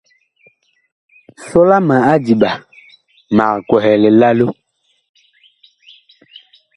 Sɔla ma adiɓa, mag kwɛhɛ lilalo.